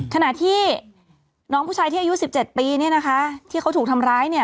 ขณะที่น้องผู้ชายที่อายุ๑๗ปีเนี่ยนะคะที่เขาถูกทำร้ายเนี่ย